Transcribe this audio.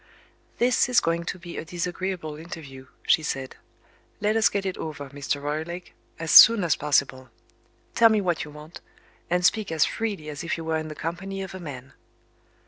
"This is going to be a disagreeable interview," she said. "Let us get it over, Mr. Roylake, as soon as possible. Tell me what you want and speak as freely as if you were in the company of a man."